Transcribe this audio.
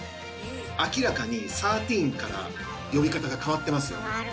明らかにサーティーンから呼び方が変わってますよね。